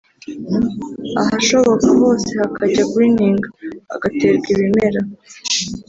ahashoboka hose hakajya ‘greening’ [hagaterwa ibimera]